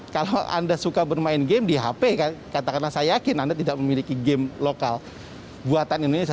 kalau anda suka bermain game di hp katakanlah saya yakin anda tidak memiliki game lokal buatan indonesia